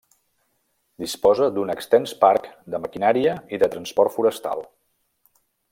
Disposa d'un extens parc de maquinària i de transport forestal.